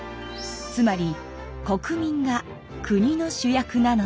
つまり国民が国の主役なのです。